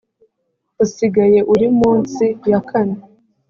usigaye uri munsi ya kane